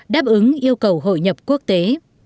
đáp ứng yêu cầu hội nhập quốc tế